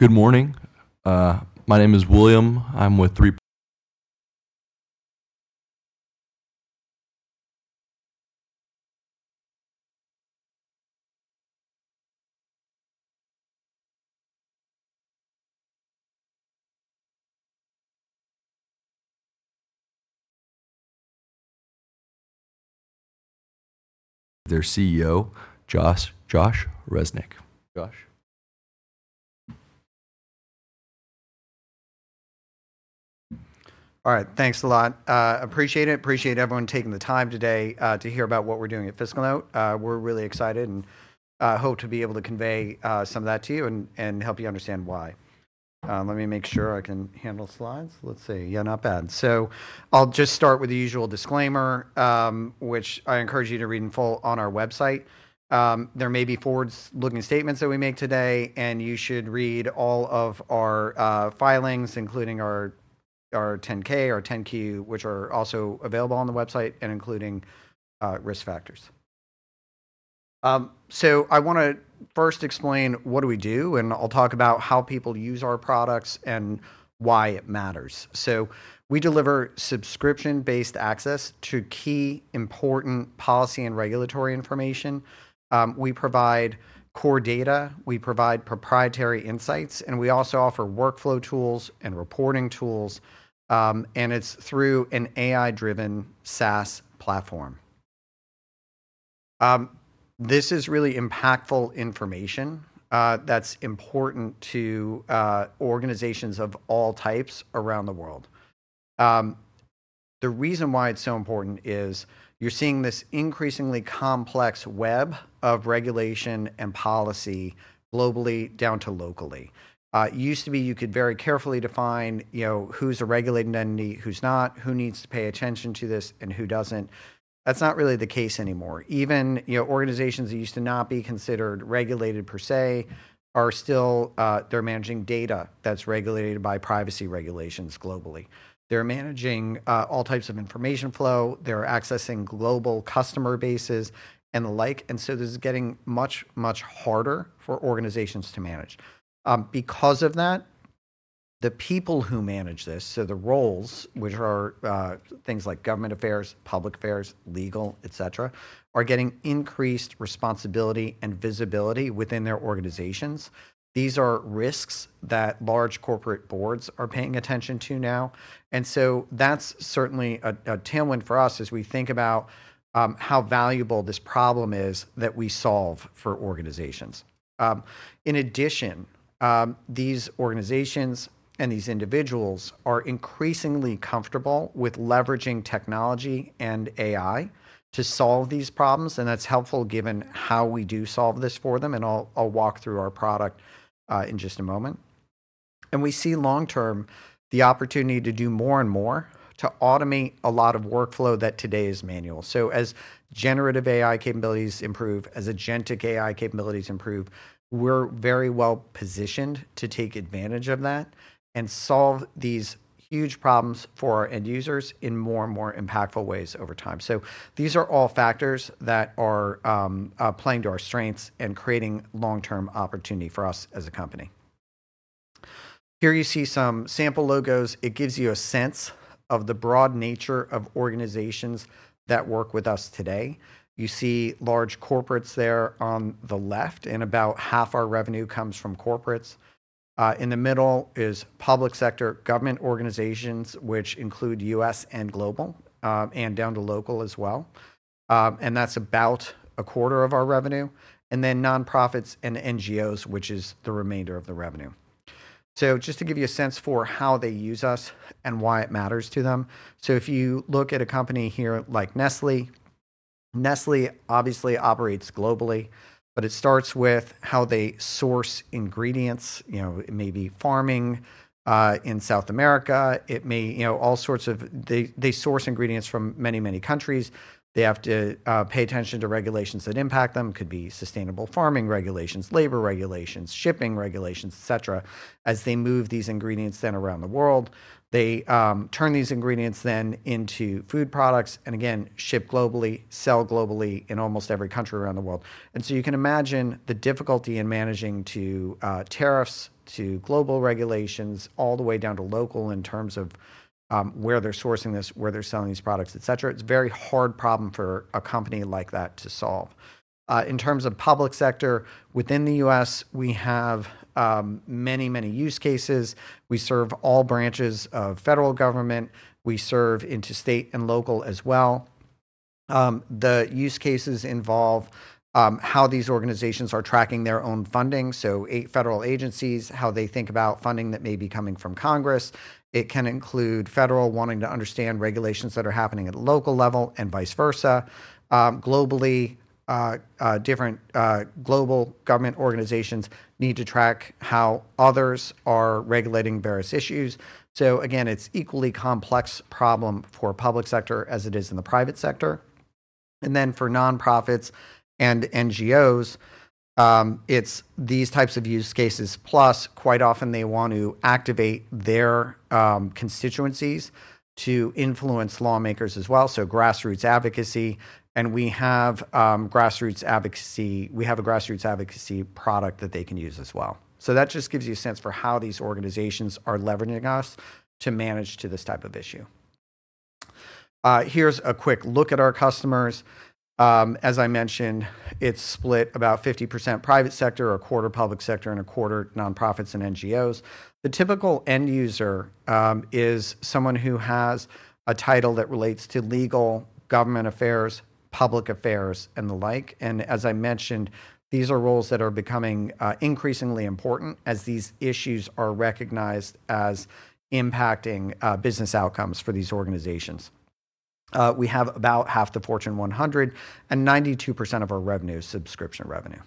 Good morning. My name is William. I'm with FiscalNote. Their CEO, Josh—Josh Resnik. Josh. All right. Thanks a lot. Appreciate it. Appreciate everyone taking the time today to hear about what we're doing at FiscalNote. We're really excited and hope to be able to convey some of that to you and help you understand why. Let me make sure I can handle slides. Let's see. Yeah, not bad. I'll just start with the usual disclaimer, which I encourage you to read in full on our website. There may be forward-looking statements that we make today, and you should read all of our filings, including our 10-K, our 10-Q, which are also available on the website, and including risk factors. I want to first explain what do we do, and I'll talk about how people use our products and why it matters. We deliver subscription-based access to key, important policy and regulatory information. We provide core data. We provide proprietary insights, and we also offer workflow tools and reporting tools. And it's through an AI-driven SaaS platform. This is really impactful information, that's important to, organizations of all types around the world. The reason why it's so important is you're seeing this increasingly complex web of regulation and policy globally down to locally. It used to be you could very carefully define, you know, who's a regulated entity, who's not, who needs to pay attention to this, and who doesn't. That's not really the case anymore. Even, you know, organizations that used to not be considered regulated per se are still, they're managing data that's regulated by privacy regulations globally. They're managing, all types of information flow. They're accessing global customer bases and the like. And so this is getting much, much harder for organizations to manage. Because of that, the people who manage this, so the roles, which are things like government affairs, public affairs, legal, etc., are getting increased responsibility and visibility within their organizations. These are risks that large corporate boards are paying attention to now. That is certainly a tailwind for us as we think about how valuable this problem is that we solve for organizations. In addition, these organizations and these individuals are increasingly comfortable with leveraging technology and AI to solve these problems. That is helpful given how we do solve this for them. I'll walk through our product in just a moment. We see long-term the opportunity to do more and more to automate a lot of workflow that today is manual. As generative AI capabilities improve, as agentic AI capabilities improve, we're very well positioned to take advantage of that and solve these huge problems for our end users in more and more impactful ways over time. These are all factors that are playing to our strengths and creating long-term opportunity for us as a company. Here you see some sample logos. It gives you a sense of the broad nature of organizations that work with us today. You see large corporates there on the left, and about half our revenue comes from corporates. In the middle is public sector government organizations, which include U.S. and global, and down to local as well. That's about a quarter of our revenue. Then nonprofits and NGOs, which is the remainder of the revenue. Just to give you a sense for how they use us and why it matters to them. If you look at a company here like Nestlé, Nestlé obviously operates globally, but it starts with how they source ingredients. You know, it may be farming in South America. It may, you know, all sorts of—they source ingredients from many, many countries. They have to pay attention to regulations that impact them. It could be sustainable farming regulations, labor regulations, shipping regulations, etc. As they move these ingredients then around the world, they turn these ingredients then into food products and again, ship globally, sell globally in almost every country around the world. You can imagine the difficulty in managing to tariffs to global regulations all the way down to local in terms of where they're sourcing this, where they're selling these products, etc. It's a very hard problem for a company like that to solve. In terms of public sector within the U.S., we have many, many use cases. We serve all branches of federal government. We serve interstate and local as well. The use cases involve how these organizations are tracking their own funding. So eight federal agencies, how they think about funding that may be coming from Congress. It can include federal wanting to understand regulations that are happening at a local level and vice versa. Globally, different global government organizations need to track how others are regulating various issues. Again, it's an equally complex problem for public sector as it is in the private sector. For nonprofits and NGOs, it's these types of use cases. Plus, quite often they wanna activate their constituencies to influence lawmakers as well. Grassroots advocacy. And we have grassroots advocacy. We have a Grassroots Advocacy product that they can use as well. That just gives you a sense for how these organizations are leveraging us to manage this type of issue. Here's a quick look at our customers. As I mentioned, it's split about 50% private sector, a quarter public sector, and a quarter nonprofits and NGOs. The typical end user is someone who has a title that relates to legal, government affairs, public affairs, and the like. As I mentioned, these are roles that are becoming increasingly important as these issues are recognized as impacting business outcomes for these organizations. We have about half the Fortune 100 and 92% of our revenue is subscription revenue.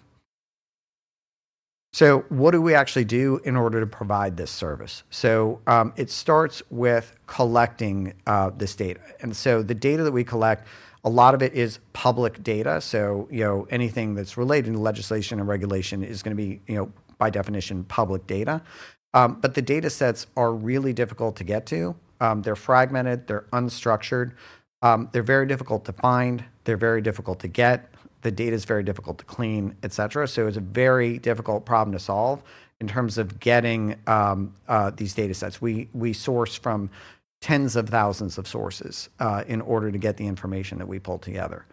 What do we actually do in order to provide this service? It starts with collecting this data. The data that we collect, a lot of it is public data. You know, anything that's related to legislation and regulation is gonna be, you know, by definition, public data. The datasets are really difficult to get to. They're fragmented. They're unstructured. They're very difficult to find. They're very difficult to get. The data's very difficult to clean, etc. It's a very difficult problem to solve in terms of getting these datasets. We source from tens of thousands of sources in order to get the information that we pull together.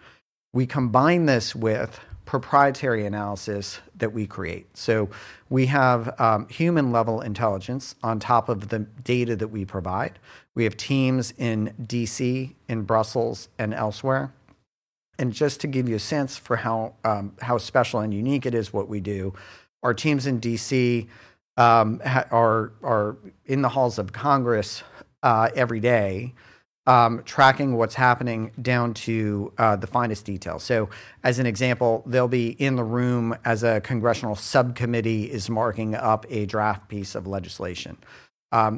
We combine this with proprietary analysis that we create. We have human-level intelligence on top of the data that we provide. We have teams in Washington, D.C., in Brussels, and elsewhere. Just to give you a sense for how special and unique it is what we do, our teams in D.C. are in the halls of Congress every day, tracking what's happening down to the finest detail. As an example, they'll be in the room as a congressional subcommittee is marking up a draft piece of legislation.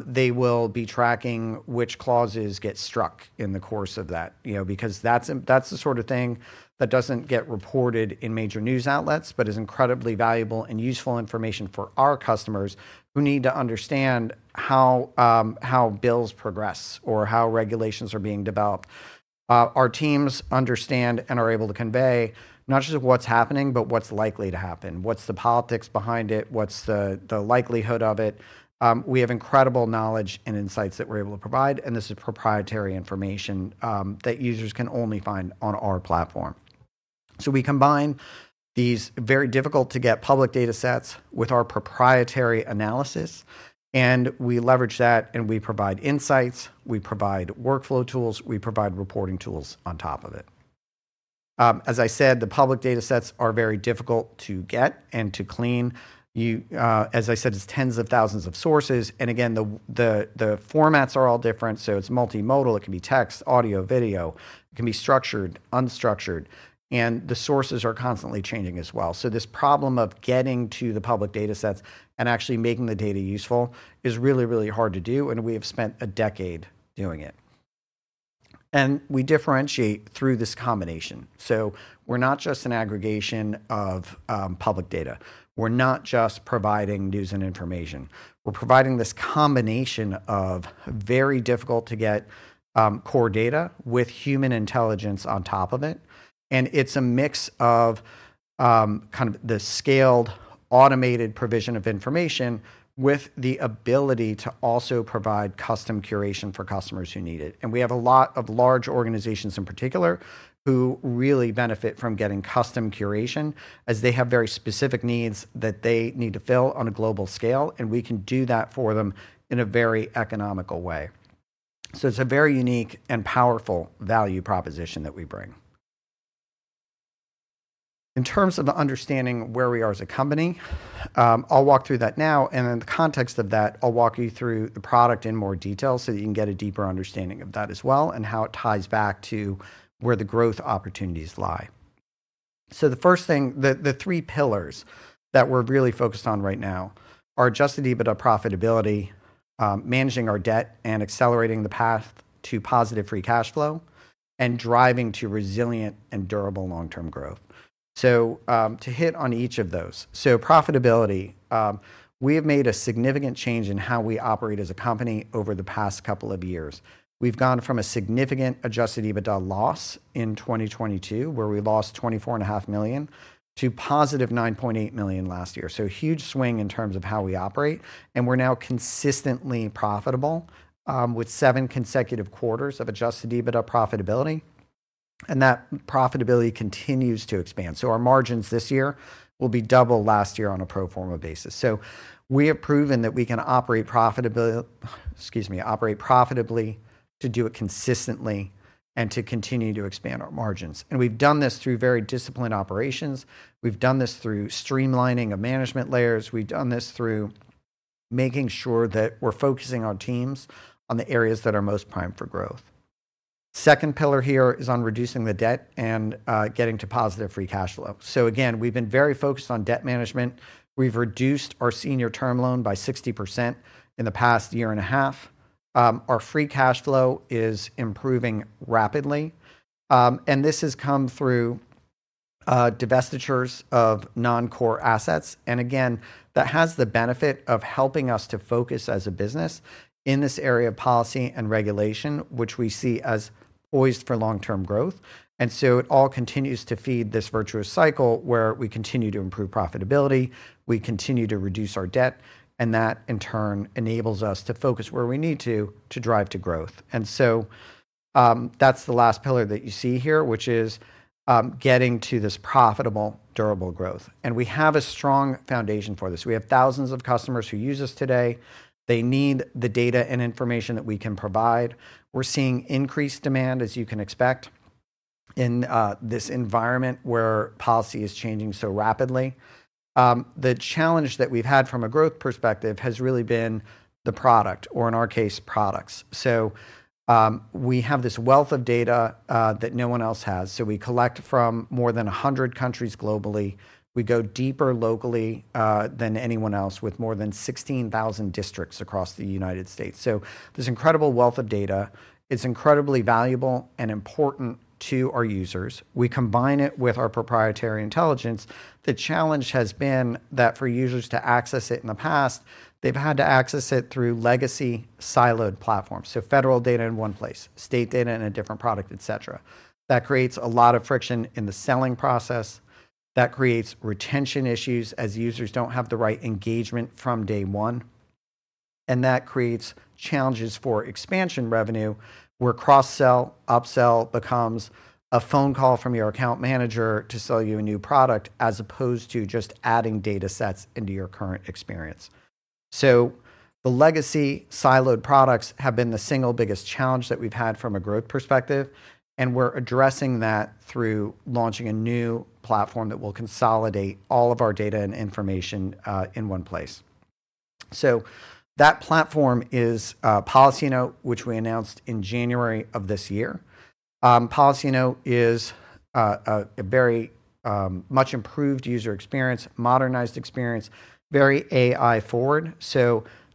They will be tracking which clauses get struck in the course of that, you know, because that's the sort of thing that doesn't get reported in major news outlets, but is incredibly valuable and useful information for our customers who need to understand how bills progress or how regulations are being developed. Our teams understand and are able to convey not just what's happening, but what's likely to happen, what's the politics behind it, what's the likelihood of it. We have incredible knowledge and insights that we're able to provide. This is proprietary information that users can only find on our platform. We combine these very difficult-to-get public datasets with our proprietary analysis, and we leverage that and we provide insights. We provide workflow tools. We provide reporting tools on top of it. As I said, the public datasets are very difficult to get and to clean. You, as I said, it's tens of thousands of sources. The formats are all different. It is multimodal. It can be text, audio, video. It can be structured, unstructured. The sources are constantly changing as well. This problem of getting to the public datasets and actually making the data useful is really, really hard to do. We have spent a decade doing it. We differentiate through this combination. We're not just an aggregation of public data. We're not just providing news and information. We're providing this combination of very difficult-to-get, core data with human intelligence on top of it. It's a mix of, kind of the scaled automated provision of information with the ability to also provide custom curation for customers who need it. We have a lot of large organizations in particular who really benefit from getting custom curation as they have very specific needs that they need to fill on a global scale. We can do that for them in a very economical way. It's a very unique and powerful value proposition that we bring. In terms of understanding where we are as a company, I'll walk through that now. In the context of that, I'll walk you through the product in more detail so that you can get a deeper understanding of that as well and how it ties back to where the growth opportunities lie. The first thing, the three pillars that we're really focused on right now are adjusted EBITDA profitability, managing our debt and accelerating the path to positive free cash flow, and driving to resilient and durable long-term growth. To hit on each of those. Profitability, we have made a significant change in how we operate as a company over the past couple of years. We've gone from a significant adjusted EBITDA loss in 2022, where we lost $24.5 million, to positive $9.8 million last year. A huge swing in terms of how we operate. We're now consistently profitable, with seven consecutive quarters of adjusted EBITDA profitability. That profitability continues to expand. Our margins this year will be double last year on a pro forma basis. We have proven that we can operate profitably to do it consistently and to continue to expand our margins. We have done this through very disciplined operations. We have done this through streamlining of management layers. We have done this through making sure that we are focusing our teams on the areas that are most primed for growth. The second pillar here is on reducing the debt and getting to positive free cash flow. Again, we have been very focused on debt management. We have reduced our senior term loan by 60% in the past year and a half. Our free cash flow is improving rapidly, and this has come through divestitures of non-core assets. Again, that has the benefit of helping us to focus as a business in this area of policy and regulation, which we see as poised for long-term growth. It all continues to feed this virtuous cycle where we continue to improve profitability, we continue to reduce our debt, and that in turn enables us to focus where we need to, to drive to growth. That is the last pillar that you see here, which is, getting to this profitable, durable growth. We have a strong foundation for this. We have thousands of customers who use us today. They need the data and information that we can provide. We're seeing increased demand, as you can expect, in this environment where policy is changing so rapidly. The challenge that we've had from a growth perspective has really been the product, or in our case, products. We have this wealth of data, that no one else has. We collect from more than 100 countries globally. We go deeper locally, than anyone else with more than 16,000 districts across the United States. This incredible wealth of data is incredibly valuable and important to our users. We combine it with our proprietary intelligence. The challenge has been that for users to access it in the past, they have had to access it through legacy siloed platforms. Federal data in one place, state data in a different product, etc. That creates a lot of friction in the selling process. That creates retention issues as users do not have the right engagement from day one. That creates challenges for expansion revenue where cross-sell, upsell becomes a phone call from your account manager to sell you a new product as opposed to just adding datasets into your current experience. The legacy siloed products have been the single biggest challenge that we've had from a growth perspective. We are addressing that through launching a new platform that will consolidate all of our data and information in one place. That platform is PolicyNote, which we announced in January of this year. PolicyNote is a very much improved user experience, modernized experience, very AI-forward.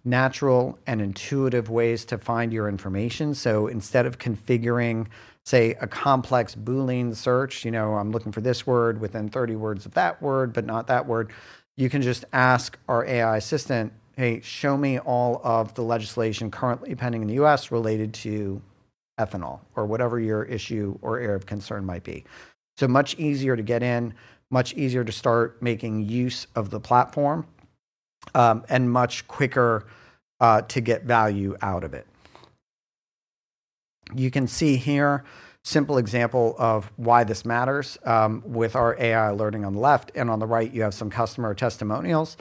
Natural and intuitive ways to find your information. Instead of configuring, say, a complex Boolean search, you know, I'm looking for this word within 30 words of that word, but not that word, you can just ask our AI assistant, "Hey, show me all of the legislation currently pending in the U.S. related to ethanol or whatever your issue or area of concern might be." Much easier to get in, much easier to start making use of the platform, and much quicker to get value out of it. You can see here a simple example of why this matters, with our AI alerting on the left. On the right, you have some customer testimonials.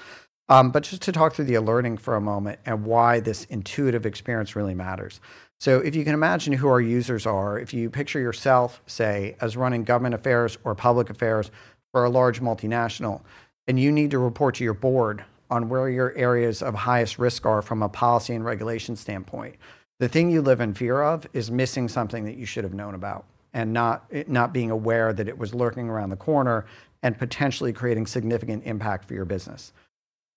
Just to talk through the alerting for a moment and why this intuitive experience really matters. If you can imagine who our users are, if you picture yourself, say, as running government affairs or public affairs for a large multinational, and you need to report to your board on where your areas of highest risk are from a policy and regulation standpoint, the thing you live in fear of is missing something that you should have known about and not being aware that it was lurking around the corner and potentially creating significant impact for your business.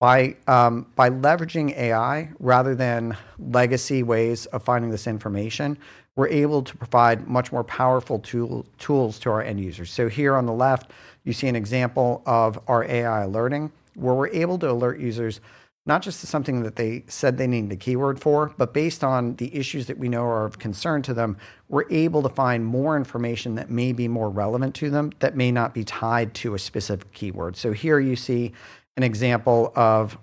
By leveraging AI rather than legacy ways of finding this information, we're able to provide much more powerful tools, tools to our end users. Here on the left, you see an example of our AI alerting where we're able to alert users not just to something that they said they need the keyword for, but based on the issues that we know are of concern to them, we're able to find more information that may be more relevant to them that may not be tied to a specific keyword. Here you see an example of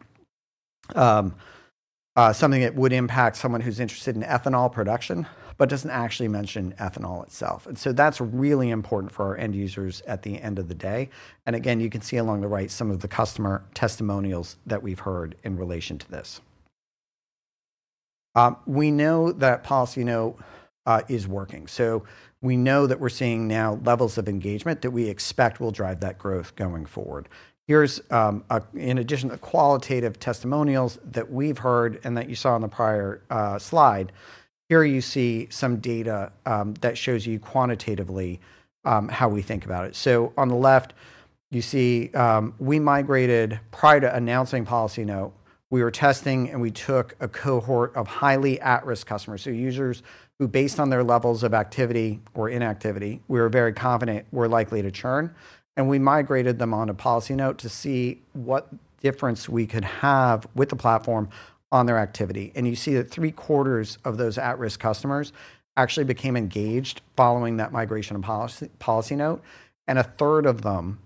something that would impact someone who's interested in ethanol production, but doesn't actually mention ethanol itself. That is really important for our end users at the end of the day. Again, you can see along the right some of the customer testimonials that we've heard in relation to this. We know that PolicyNote is working. We know that we're seeing now levels of engagement that we expect will drive that growth going forward. Here's, in addition to qualitative testimonials that we've heard and that you saw on the prior slide, here you see some data that shows you quantitatively how we think about it. On the left, you see, we migrated prior to announcing PolicyNote, we were testing and we took a cohort of highly at-risk customers. Users who, based on their levels of activity or inactivity, we were very confident were likely to churn. We migrated them on a PolicyNote to see what difference we could have with the platform on their activity. You see that three quarters of those at-risk customers actually became engaged following that migration of PolicyNote. A third of them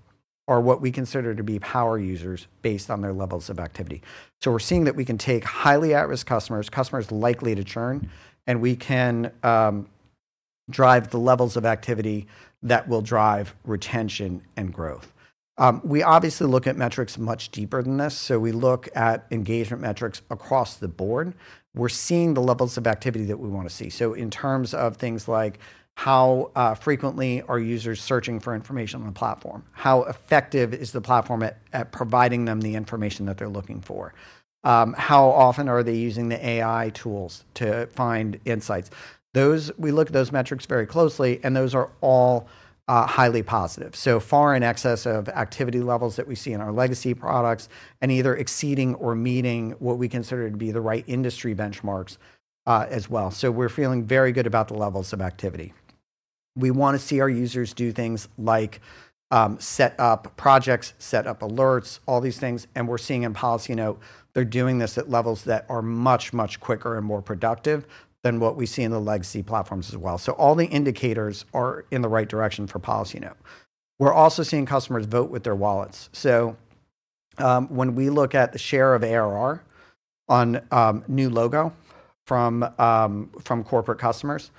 are what we consider to be power users based on their levels of activity. We're seeing that we can take highly at-risk customers, customers likely to churn, and we can drive the levels of activity that will drive retention and growth. We obviously look at metrics much deeper than this. We look at engagement metrics across the board. We're seeing the levels of activity that we want to see. In terms of things like how frequently are users searching for information on the platform? How effective is the platform at providing them the information that they're looking for? How often are they using the AI tools to find insights? We look at those metrics very closely, and those are all highly positive, so far in excess of activity levels that we see in our legacy products and either exceeding or meeting what we consider to be the right industry benchmarks as well. We're feeling very good about the levels of activity. We want to see our users do things like set up projects, set up alerts, all these things. We're seeing in PolicyNote, they're doing this at levels that are much, much quicker and more productive than what we see in the legacy platforms as well. All the indicators are in the right direction for PolicyNote. We're also seeing customers vote with their wallets. When we look at the share of ARR on new logo from corporate customers,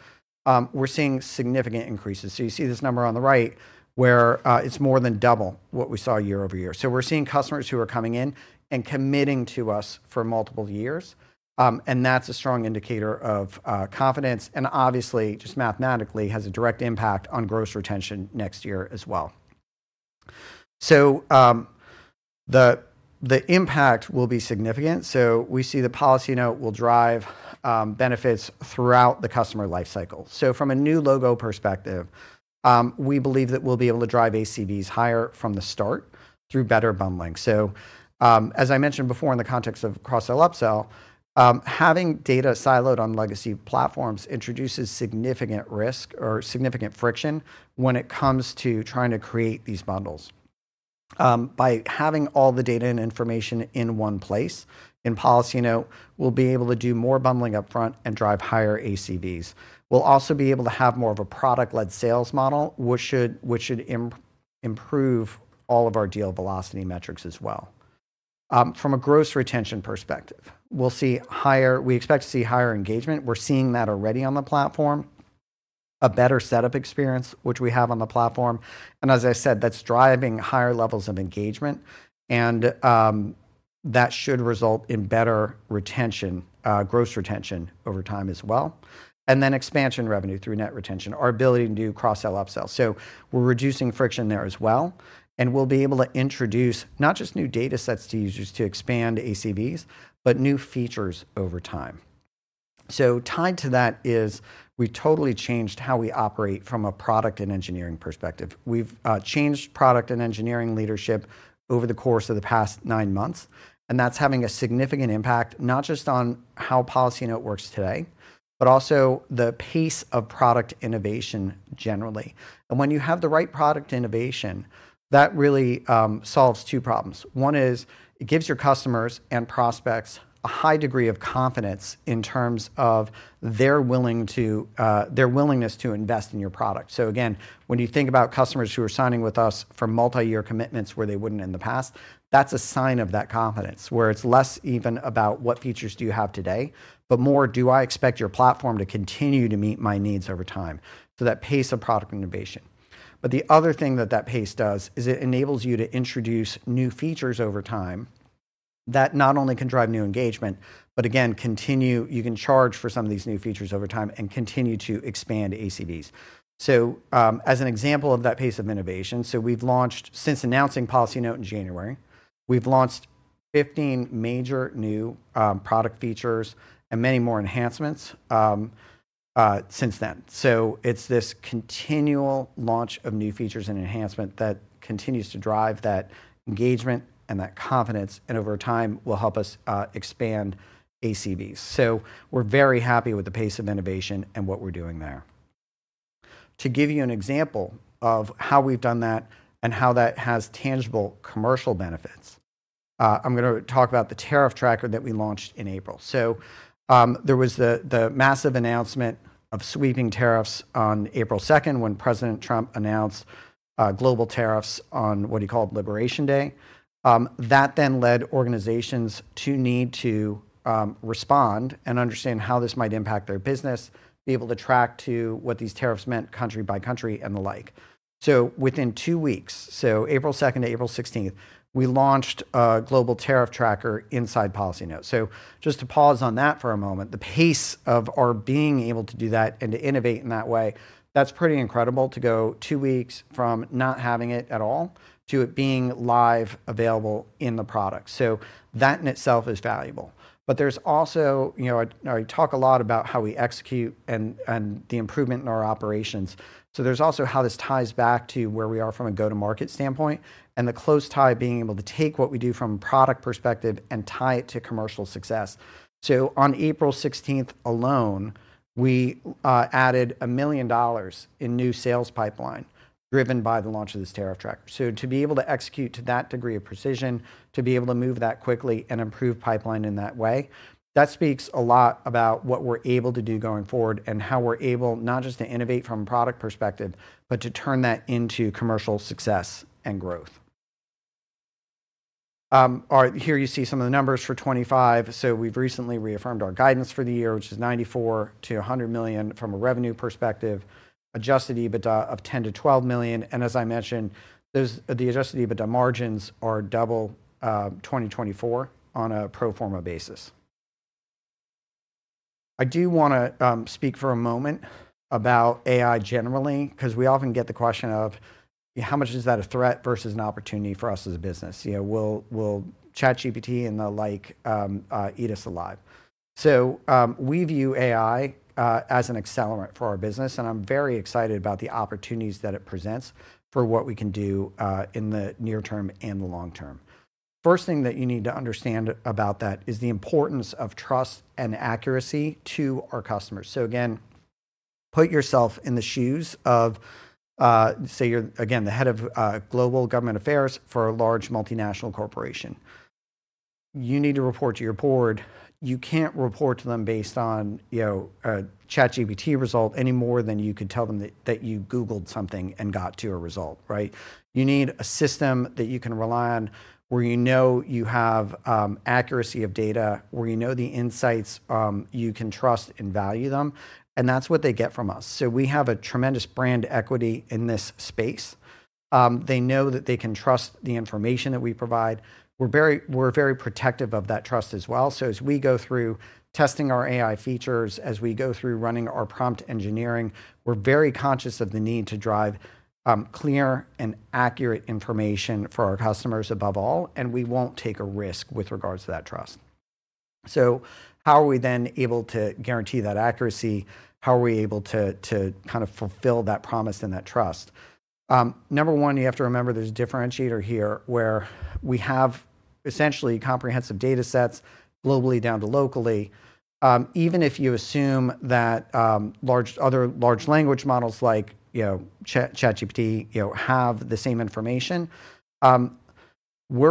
we're seeing significant increases. You see this number on the right where it's more than double what we saw year over year. We're seeing customers who are coming in and committing to us for multiple years. That's a strong indicator of confidence and obviously just mathematically has a direct impact on gross retention next year as well. The impact will be significant. We see that PolicyNote will drive benefits throughout the customer lifecycle. From a new logo perspective, we believe that we'll be able to drive ACVs higher from the start through better bundling. As I mentioned before in the context of cross-sell, upsell, having data siloed on legacy platforms introduces significant risk or significant friction when it comes to trying to create these bundles. By having all the data and information in one place in PolicyNote, we'll be able to do more bundling upfront and drive higher ACVs. We'll also be able to have more of a product-led sales model, which should improve all of our deal velocity metrics as well. From a gross retention perspective, we'll see higher, we expect to see higher engagement. We're seeing that already on the platform, a better setup experience, which we have on the platform. As I said, that's driving higher levels of engagement. That should result in better retention, gross retention over time as well. Then expansion revenue through net retention, our ability to do cross-sell, upsell. We're reducing friction there as well. We'll be able to introduce not just new datasets to users to expand ACVs, but new features over time. Tied to that is we've totally changed how we operate from a product and engineering perspective. We've changed product and engineering leadership over the course of the past nine months. That's having a significant impact not just on how PolicyNote works today, but also the pace of product innovation generally. When you have the right product innovation, that really solves two problems. One is it gives your customers and prospects a high degree of confidence in terms of their willingness to invest in your product. Again, when you think about customers who are signing with us for multi-year commitments where they would not in the past, that is a sign of that confidence where it is less even about what features you have today, but more, do I expect your platform to continue to meet my needs over time? That pace of product innovation. The other thing that that pace does is it enables you to introduce new features over time that not only can drive new engagement, but again, you can charge for some of these new features over time and continue to expand ACVs. As an example of that pace of innovation, we've launched, since announcing PolicyNote in January, 15 major new product features and many more enhancements since then. It is this continual launch of new features and enhancements that continues to drive that engagement and that confidence and, over time, will help us expand ACVs. We are very happy with the pace of innovation and what we are doing there. To give you an example of how we have done that and how that has tangible commercial benefits, I am going to talk about the tariff tracker that we launched in April. There was the massive announcement of sweeping tariffs on April 2 when President Trump announced global tariffs on what he called Liberation Day. That then led organizations to need to, respond and understand how this might impact their business, be able to track to what these tariffs meant country by country and the like. Within two weeks, April 2nd to April 16th, we launched a global tariff tracker inside PolicyNote. Just to pause on that for a moment, the pace of our being able to do that and to innovate in that way, that's pretty incredible to go two weeks from not having it at all to it being live available in the product. That in itself is valuable. There's also, you know, I talk a lot about how we execute and, and the improvement in our operations. There is also how this ties back to where we are from a go-to-market standpoint and the close tie of being able to take what we do from a product perspective and tie it to commercial success. On April 16 alone, we added $1 million in new sales pipeline driven by the launch of this tariff tracker. To be able to execute to that degree of precision, to be able to move that quickly and improve pipeline in that way, that speaks a lot about what we are able to do going forward and how we are able not just to innovate from a product perspective, but to turn that into commercial success and growth. All right, here you see some of the numbers for 2025. We've recently reaffirmed our guidance for the year, which is $94 million-$100 million from a revenue perspective, adjusted EBITDA of $10 million-$12 million. As I mentioned, the adjusted EBITDA margins are double, 2024 on a pro forma basis. I do want to speak for a moment about AI generally, because we often get the question of, you know, how much is that a threat versus an opportunity for us as a business? You know, will ChatGPT and the like eat us alive? We view AI as an accelerant for our business, and I'm very excited about the opportunities that it presents for what we can do in the near term and the long term. First thing that you need to understand about that is the importance of trust and accuracy to our customers. Again, put yourself in the shoes of, say you're again, the head of global government affairs for a large multinational corporation. You need to report to your board. You can't report to them based on, you know, a ChatGPT result any more than you could tell them that you Googled something and got to a result, right? You need a system that you can rely on where you know you have accuracy of data, where you know the insights, you can trust and value them. That's what they get from us. We have a tremendous brand equity in this space. They know that they can trust the information that we provide. We're very, we're very protective of that trust as well. As we go through testing our AI features, as we go through running our prompt engineering, we're very conscious of the need to drive clear and accurate information for our customers above all, and we won't take a risk with regards to that trust. How are we then able to guarantee that accuracy? How are we able to kind of fulfill that promise and that trust? Number one, you have to remember there's a differentiator here where we have essentially comprehensive data sets globally down to locally. Even if you assume that large other large language models like, you know, ChatGPT, you know, have the same information, we're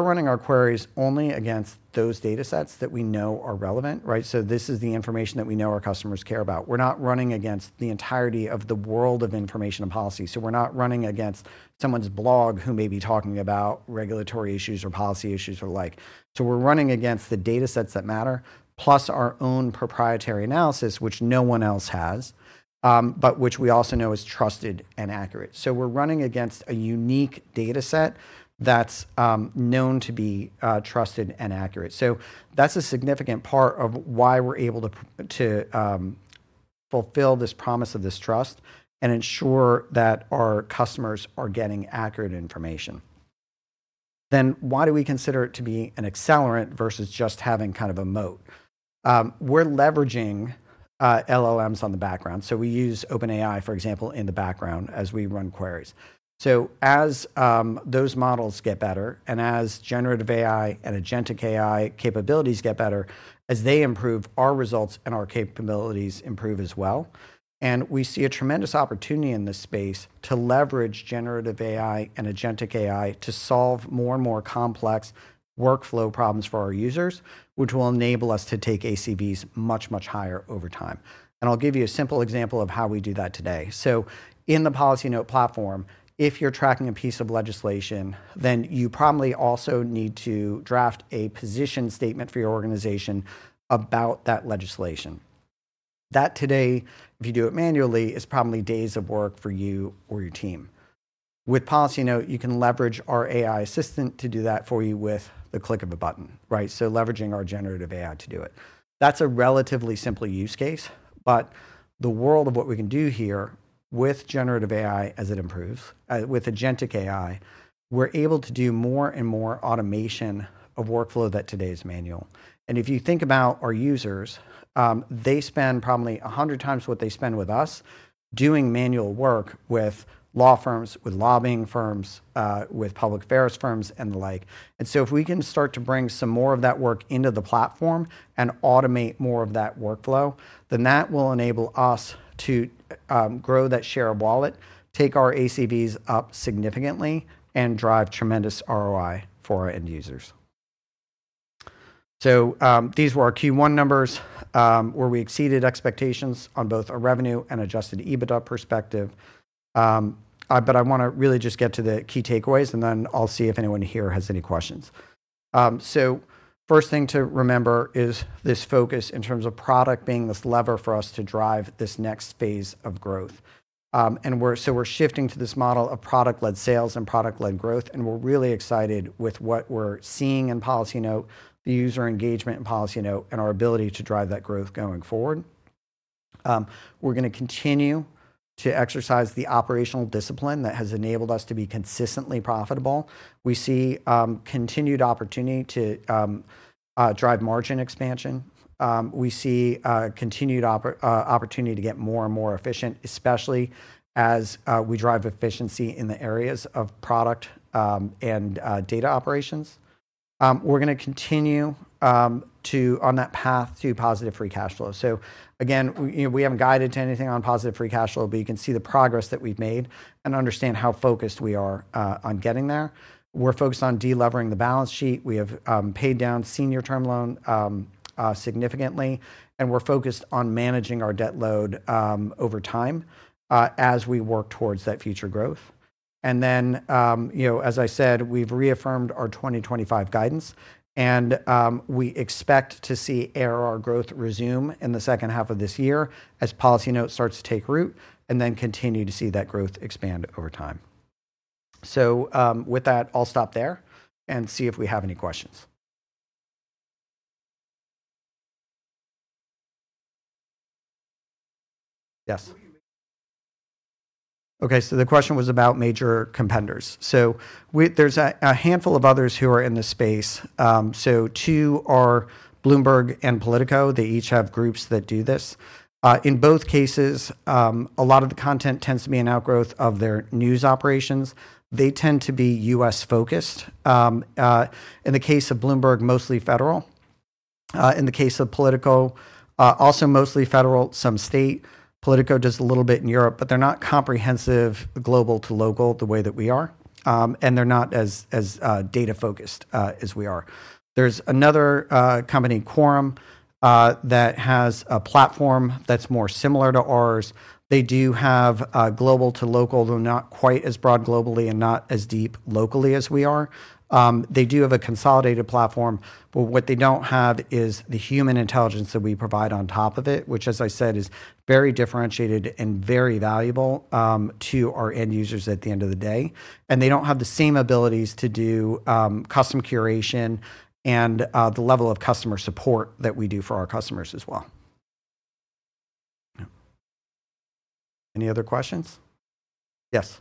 running our queries only against those data sets that we know are relevant, right? This is the information that we know our customers care about. We're not running against the entirety of the world of information and policy. We're not running against someone's blog who may be talking about regulatory issues or policy issues or like. We're running against the data sets that matter, plus our own proprietary analysis, which no one else has, but which we also know is trusted and accurate. We're running against a unique data set that's known to be trusted and accurate. That's a significant part of why we're able to fulfill this promise of this trust and ensure that our customers are getting accurate information. Why do we consider it to be an accelerant versus just having kind of a moat? We're leveraging LLMs in the background. We use OpenAI, for example, in the background as we run queries. As those models get better and as generative AI and agentic AI capabilities get better, as they improve, our results and our capabilities improve as well. We see a tremendous opportunity in this space to leverage generative AI and agentic AI to solve more and more complex workflow problems for our users, which will enable us to take ACVs much, much higher over time. I'll give you a simple example of how we do that today. In the PolicyNote platform, if you're tracking a piece of legislation, then you probably also need to draft a position statement for your organization about that legislation. That today, if you do it manually, is probably days of work for you or your team. With PolicyNote, you can leverage our AI assistant to do that for you with the click of a button, right? Leveraging our generative AI to do it. That's a relatively simple use case, but the world of what we can do here with generative AI as it improves, with agentic AI, we're able to do more and more automation of workflow that today is manual. If you think about our users, they spend probably a hundred times what they spend with us doing manual work with law firms, with lobbying firms, with public affairs firms and the like. If we can start to bring some more of that work into the platform and automate more of that workflow, that will enable us to grow that share of wallet, take our ACVs up significantly, and drive tremendous ROI for our end users. These were our Q1 numbers, where we exceeded expectations on both a revenue and adjusted EBITDA perspective. I want to really just get to the key takeaways and then I'll see if anyone here has any questions. The first thing to remember is this focus in terms of product being this lever for us to drive this next phase of growth. We're shifting to this model of product-led sales and product-led growth, and we're really excited with what we're seeing in PolicyNote, the user engagement in PolicyNote, and our ability to drive that growth going forward. We're going to continue to exercise the operational discipline that has enabled us to be consistently profitable. We see continued opportunity to drive margin expansion. We see continued opportunity to get more and more efficient, especially as we drive efficiency in the areas of product and data operations. We're going to continue on that path to positive free cash flow. So again, we, you know, we haven't guided to anything on positive free cash flow, but you can see the progress that we've made and understand how focused we are, on getting there. We're focused on delevering the balance sheet. We have paid down senior term loan significantly, and we're focused on managing our debt load over time, as we work towards that future growth. As I said, we've reaffirmed our 2025 guidance, and we expect to see ARR growth resume in the second half of this year as PolicyNote starts to take root and then continue to see that growth expand over time. With that, I'll stop there and see if we have any questions. Yes. Okay, so the question was about major competitors. There's a handful of others who are in this space. Two are Bloomberg and Politico. They each have groups that do this. In both cases, a lot of the content tends to be an outgrowth of their news operations. They tend to be U.S. focused. In the case of Bloomberg, mostly federal. In the case of Politico, also mostly federal, some state. Politico does a little bit in Europe, but they're not comprehensive global to local the way that we are. They're not as data focused as we are. There's another company, Quorum, that has a platform that's more similar to ours. They do have global to local. They're not quite as broad globally and not as deep locally as we are. They do have a consolidated platform, but what they do not have is the human intelligence that we provide on top of it, which, as I said, is very differentiated and very valuable to our end users at the end of the day. They do not have the same abilities to do custom curation and the level of customer support that we do for our customers as well. Any other questions? Yes.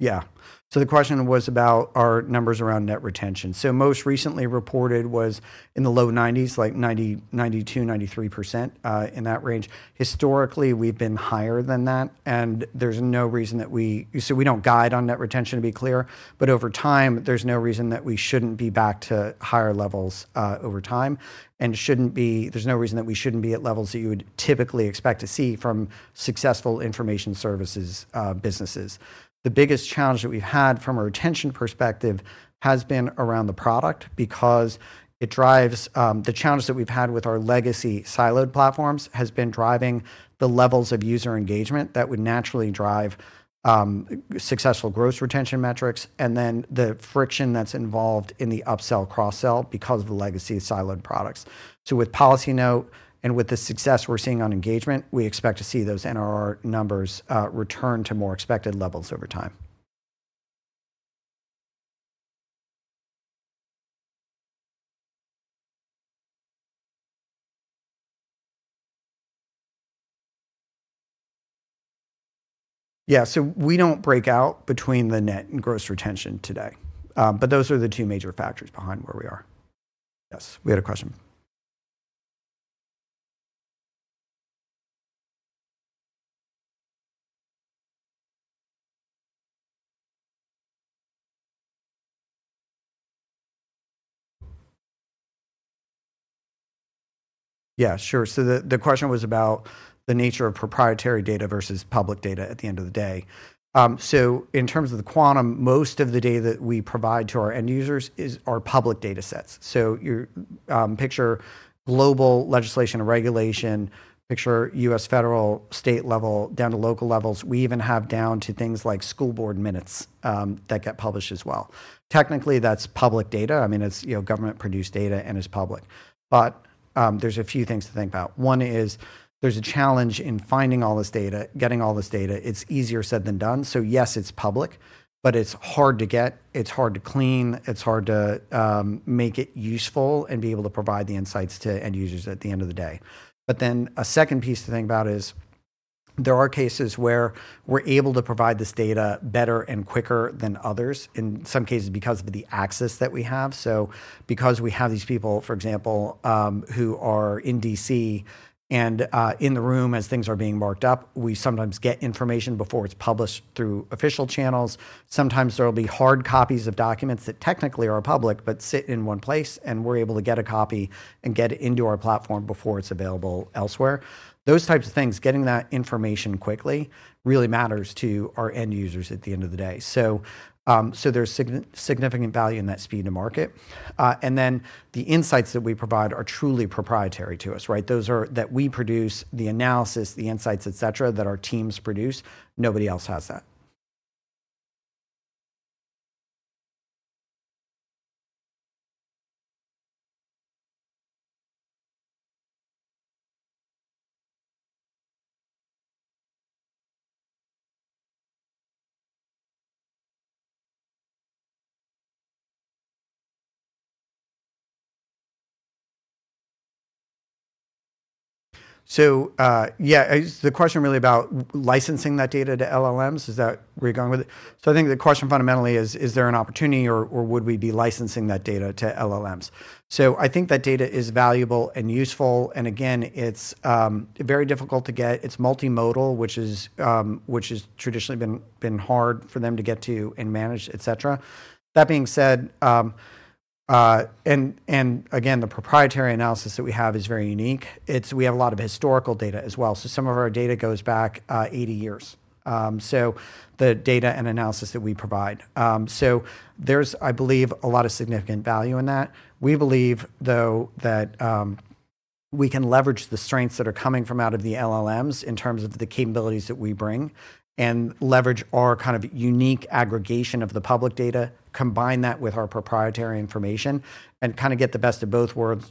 Yeah. The question was about our numbers around net retention. Most recently reported was in the low 90s, like 90%, 92%, 93%, in that range. Historically, we have been higher than that, and there is no reason that we, so we do not guide on net retention, to be clear, but over time, there is no reason that we should not be back to higher levels over time. It shouldn't be, there's no reason that we shouldn't be at levels that you would typically expect to see from successful information services businesses. The biggest challenge that we've had from a retention perspective has been around the product because it drives, the challenge that we've had with our legacy siloed platforms has been driving the levels of user engagement that would naturally drive successful gross retention metrics and then the friction that's involved in the upsell cross-sell because of the legacy siloed products. With PolicyNote and with the success we're seeing on engagement, we expect to see those NRR numbers return to more expected levels over time. Yeah, we don't break out between the net and gross retention today. Those are the two major factors behind where we are. Yes, we had a question. Yeah, sure. The question was about the nature of proprietary data versus public data at the end of the day. In terms of the quantum, most of the data that we provide to our end users is our public data sets. You picture global legislation and regulation, picture U.S. federal, state level, down to local levels. We even have down to things like school board minutes that get published as well. Technically, that's public data. I mean, it's, you know, government produced data and it's public. There's a few things to think about. One is there's a challenge in finding all this data, getting all this data. It's easier said than done. Yes, it's public, but it's hard to get, it's hard to clean, it's hard to make it useful and be able to provide the insights to end users at the end of the day. Then a second piece to think about is there are cases where we're able to provide this data better and quicker than others, in some cases because of the access that we have. Because we have these people, for example, who are in D.C. and in the room as things are being marked up, we sometimes get information before it's published through official channels. Sometimes there will be hard copies of documents that technically are public, but sit in one place and we're able to get a copy and get it into our platform before it's available elsewhere. Those types of things, getting that information quickly really matters to our end users at the end of the day. There's significant value in that speed to market, and then the insights that we provide are truly proprietary to us, right? Those are that we produce, the analysis, the insights, et cetera, that our teams produce. Nobody else has that. Yeah, it's the question really about licensing that data to LLMs. Is that where you're going with it? I think the question fundamentally is, is there an opportunity or would we be licensing that data to LLMs? I think that data is valuable and useful. Again, it's very difficult to get. It's multimodal, which has traditionally been hard for them to get to and manage, et cetera. That being said, again, the proprietary analysis that we have is very unique. We have a lot of historical data as well. Some of our data goes back 80 years. The data and analysis that we provide, I believe there's a lot of significant value in that. We believe, though, that we can leverage the strengths that are coming from out of the LLMs in terms of the capabilities that we bring and leverage our kind of unique aggregation of the public data, combine that with our proprietary information and kind of get the best of both worlds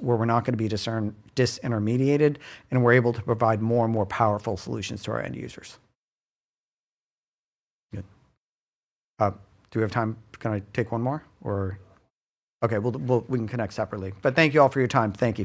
where we're not going to be disintermediated and we're able to provide more and more powerful solutions to our end users. Good. Do we have time? Can I take one more or? Okay, we can connect separately. But thank you all for your time. Thank you.